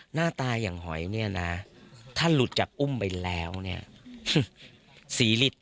หน้าตาอย่างหอยเนี่ยนะถ้าหลุดจากอุ้มไปแล้วเนี่ย